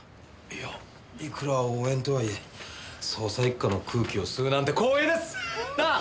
いやいくら応援とはいえ捜査一課の空気を吸うなんて光栄です！なあ。